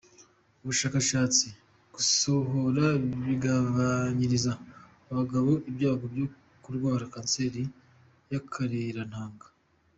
Ubushakashatsi: Gusohora bigabanyiriza abagabo ibyago byo kurwara kanseri y’akarerantanga.